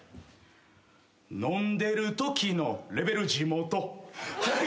「飲んでるときのレベル地元」「ハイ！